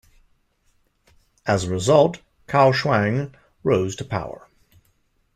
As a result, Cao Shuang rose to power.